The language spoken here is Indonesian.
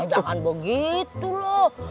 jangan begitu loh